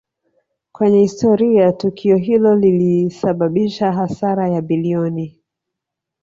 kwenye historia Tukio hilo lilisababisha hasara ya bilioni